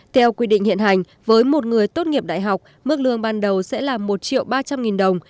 theo quy định hiện hành với một người tốt nghiệp đại học mức lương ban đầu sẽ là một triệu ba trăm linh nghìn đồng